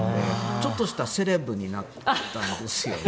ちょっとしたセレブになったんですよね。